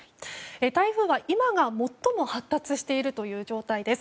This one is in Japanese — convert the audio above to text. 台風は今が最も発達しているという状態です。